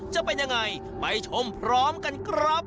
จะเป็นยังไงไปชมพร้อมกันครับ